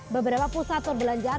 beberapa pusat perbelanjaan